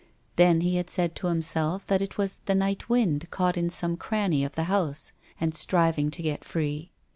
Then he had said to himself that it was the night wind caught in some cranny of the house, and striving to get free.